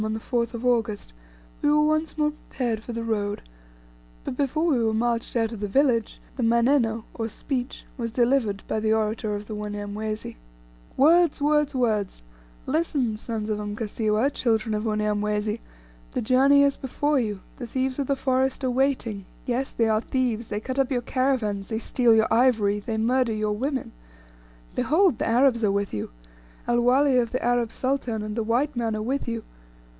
on the 4th of August we were once more prepared for the road, but before we were marched out of the village, the "manneno," or speech, was delivered by the orator of the Wanyamwezi: "Words! words! words! Listen, sons of Mkasiwa, children of Unyamwezi! the journey is before you, the thieves of the forest are waiting; yes, they are thieves, they cut up your caravans, they steal your ivory, they murder your women. Behold, the Arabs are with you, El Wali of the Arab sultan, and the white man are with you.